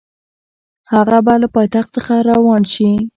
هغه به له پایتخت څخه روان شي.